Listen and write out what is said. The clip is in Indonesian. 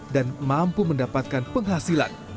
dan mampu mendapatkan penghasilan